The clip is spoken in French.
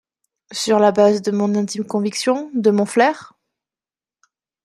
Sur la base de mon intime conviction, de mon flair ?